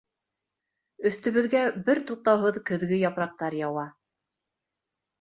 Өҫтөбөҙгә бер туҡтауһыҙ көҙгө япраҡтар яуа.